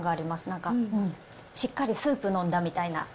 なんか、しっかりスープ飲んだみたいな。